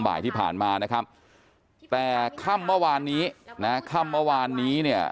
บ่ายที่ผ่านมานะครับแต่ค่ำเมื่อวานนี้นะค่ำเมื่อวานนี้เนี่ย